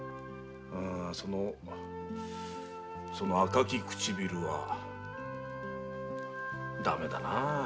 その紅き唇はダメだなあ。